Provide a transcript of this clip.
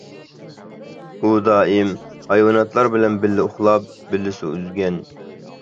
ئۇ دائىم ھايۋاناتلار بىلەن بىللە ئۇخلاپ، بىللە سۇ ئۈزگەن.